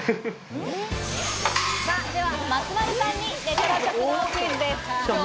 では松丸さんにレトロ食堂クイズです。